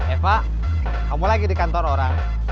eva kamu lagi di kantor orang